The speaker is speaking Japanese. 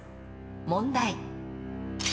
問題。